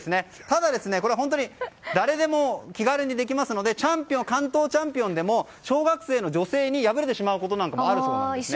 ただ、本当に誰でも気軽にできますので関東チャンピオンでも小学生の女性に敗れてしまうこともあるそうです。